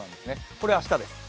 これ明日です。